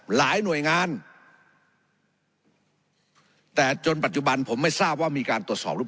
หลายหน่วยงานแต่จนปัจจุบันผมไม่ทราบว่ามีการตรวจสอบหรือเปล่า